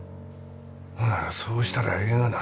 ほならそうしたらええがな。